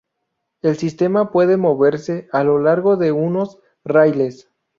El sistema puede moverse a lo largo de unos raíles.